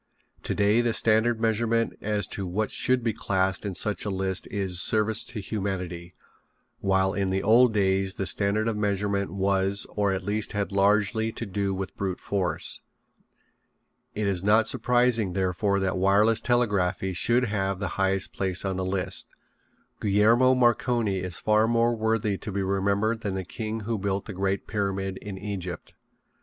Today the standard of measurement as to what should be classed in such a list is service to humanity, while in the old days the standard of measurement was or at least had largely to do with brute force. It is not surprising, therefore, that wireless telegraphy should have the highest place on the list. Guglielmo Marconi is far more worthy to be remembered than the king who built the great Pyramid in Egypt.